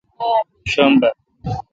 شنب